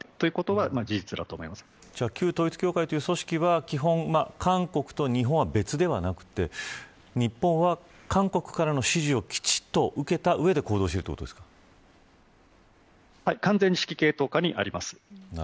旧統一教会という組織は基本、韓国と日本は別ではなくて日本は韓国からの指示をきちんと受けた上で完全に指揮系統下にあります。